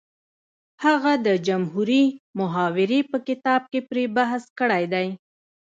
هغه د جمهوري محاورې په کتاب کې پرې بحث کړی دی